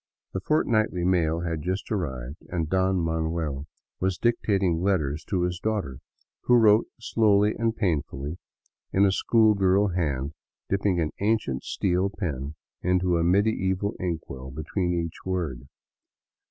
The fortnightly mail had just arrived, and Don Manuel was dictating letters to his daughter, who wrote slowly and painfully in a schoolgirl hand, dipping an ancient steel pen into a medieval inkwell between each word.